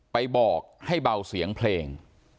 ไปบอกให้เบาเสียงเพลง